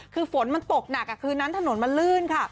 คือฝนมันตกหนักคืนนั้นถนนมันลื่นค่ะ